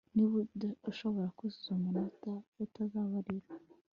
Niba ushobora kuzuza umunota utababarira